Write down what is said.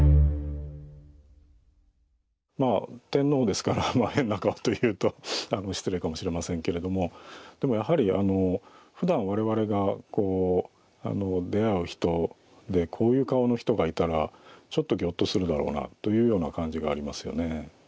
まあ天皇ですから変な顔と言うと失礼かもしれませんけれどもでもやはりあのふだん我々がこう出会う人でこういう顔の人がいたらちょっとぎょっとするだろうなというような感じがありますよね。